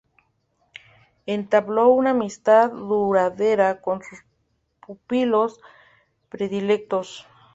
Entabló una amistad duradera con sus pupilos predilectos.